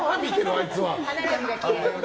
あいつは。